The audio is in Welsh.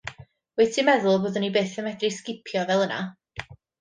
Wyt ti'n meddwl byddwn i byth yn medru sgipio fel yna?